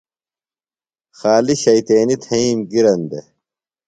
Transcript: خالیۡ شیطینیۡ تھئیم گِرن دےۡ۔